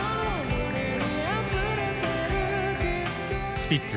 スピッツ